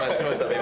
今。